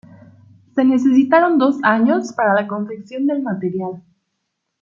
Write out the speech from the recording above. Se necesitaron dos años para la confección del material.